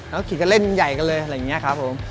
แล้วก็ขี่กันเล่นใหญ่กันเลยอะไรอย่างนี้ครับผม